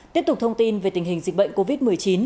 tiếp tục thông tin về tình hình dịch bệnh covid một mươi chín